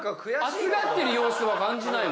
熱がってる様子感じない。